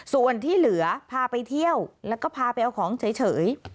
ส่วนที่เหลือพาไปเที่ยวแล้วก็พาไปเอาของเฉย